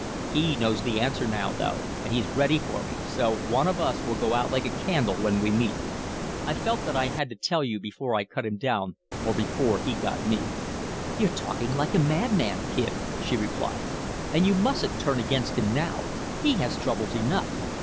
He knows the answer now, though, and he's ready for me so one of us will go out like a candle when we meet. I felt that I had to tell you before I cut him down or before he got me." "You're talking like a madman, Kid," she replied, "and you mustn't turn against him now. He has troubles enough.